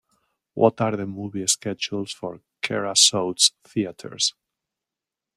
What are the movie schedules for Kerasotes Theatres